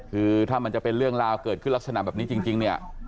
คือถ้ามันจะเป็นเรื่องราวเกิดขึ้นลักษณะแบบนี้จริงเนี่ย